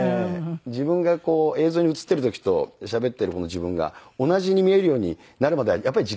自分が映像に映っている時としゃべっている方の自分が同じに見えるようになるまではやっぱり時間かかりますよね。